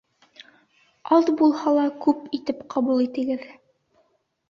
Аҙ булһа ла күп итеп ҡабул итегеҙ.